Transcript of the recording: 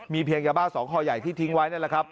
เพียงยาบ้า๒คอใหญ่ที่ทิ้งไว้นั่นแหละครับ